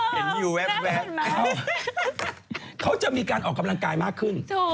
วิวแวบเขาจะมีการออกกำลังกายมากขึ้น